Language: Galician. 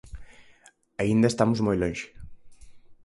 Aínda estamos moi lonxe.